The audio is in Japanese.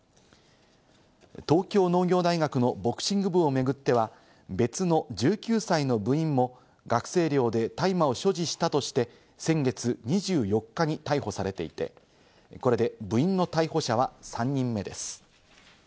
東京農業大学のボクシング部を巡っては、別の１９歳の部員も学生寮で大麻を所持したとして先月２４日に逮捕されていて、これで部員の逮捕者は３人目です。